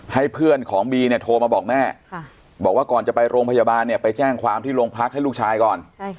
ให้เพื่อนของบีเนี่ยโทรมาบอกแม่บอกว่าก่อนจะไปโรงพยาบาลเนี่ยไปแจ้งความที่โรงพักให้ลูกชายก่อน